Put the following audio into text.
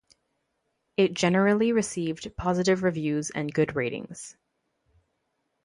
It generally received positive reviews and good ratings.